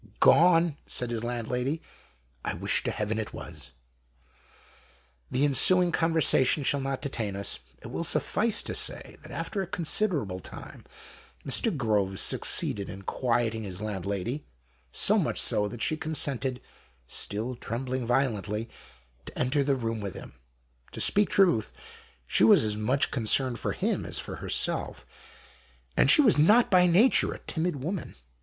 "Gone," said his landlady, "1 wish to Heaven it was." &HOST TALES. The ensuing conversation shall not detain us. It will suffice to say that after a con siderable time Mr. Groves succeeded in quieting his landlady, so much so that she consented, still trembling violently, to enter the room with him. To speak truth, she was as much concerned for him as for herself, and she was not by nature a timid woman.